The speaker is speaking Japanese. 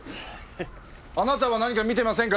あなたは何か見てませんか？